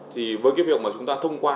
thì với cái việc mà chúng ta làm ở việt nam